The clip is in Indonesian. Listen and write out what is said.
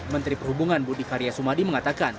menteri perhubungan budi karya sumadi mengatakan